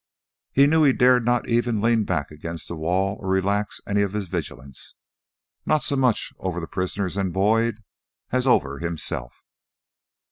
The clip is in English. He knew he dared not even lean back against the wall or relax any of his vigilance, not so much over the prisoners and Boyd, as over himself.